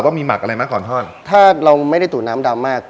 ว่ามีหมักอะไรมาก่อนทอดถ้าเราไม่ได้ตูดน้ำดำมาก